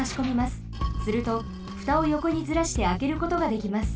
するとふたをよこにずらしてあけることができます。